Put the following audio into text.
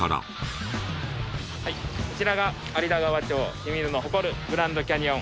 はいこちらが有田川町清水の誇るグランドキャニオン。